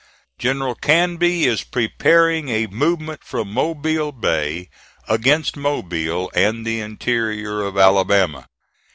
"General Canby is preparing a movement from Mobile Bay against Mobile and the interior of Alabama.